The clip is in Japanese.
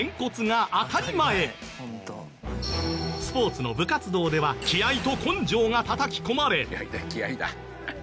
スポーツの部活動では気合と根性がたたき込まれ。